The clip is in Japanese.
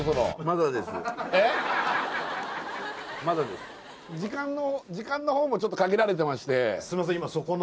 まだです時間もちょっと限られてましてすいません